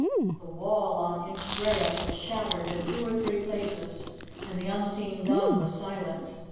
The wall on Inchbrayock was shattered in two or three places and the unseen gun was silent.